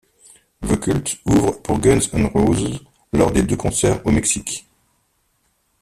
The Cult ouvre pour Guns N' Roses lors des deux concerts au Mexique.